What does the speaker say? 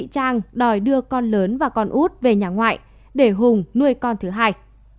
trang đòi đưa con lớn và con út về nhà ngoại để hùng nuôi con thứ hai